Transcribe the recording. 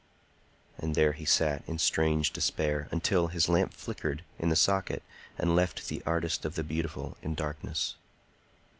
And there he sat, in strange despair, until his lamp flickered in the socket and left the Artist of the Beautiful in darkness.